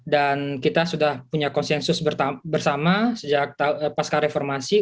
dan kita sudah punya konsensus bersama sejak pasca reformasi